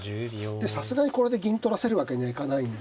でさすがにこれで銀取らせるわけにはいかないんで。